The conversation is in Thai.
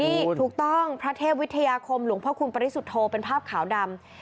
นี่ถูกต้องพระเทพวิทยาคมหลวงพ่อคุณปริสุทธโธเป็นภาพขาวดำ